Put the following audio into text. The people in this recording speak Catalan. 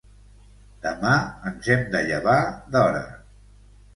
Demà ens hem de llevar d'hora.